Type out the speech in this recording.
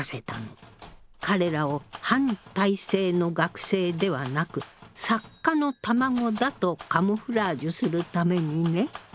彼らを反体制の学生ではなく作家の卵だとカモフラージュするためにね。